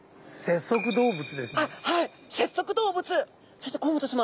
そして甲本さま。